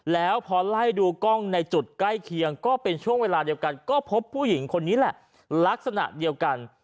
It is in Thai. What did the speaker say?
แล้วพอไล่ดูกล้องในจุดใกล้เคียงก็เป็นช่วงเวลาเดียวกันก็พบผู้หญิงคนนี้แหละลักษณะเดียวกัน